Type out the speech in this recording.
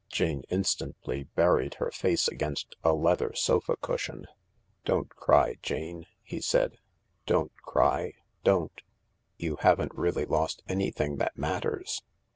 Jane instantly buried her face against a leather sofa cushion. "Don't cry, Jane," he said; "don't cry— don't. You haven't really lost anything that matters.